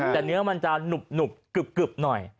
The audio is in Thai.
แต่เนื้อมันจะหนุบกึบหน่อย